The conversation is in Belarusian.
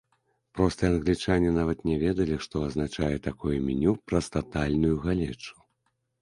Простыя англічане нават не ведалі, што азначае такое меню праз татальную галечу.